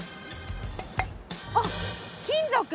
あっ金属！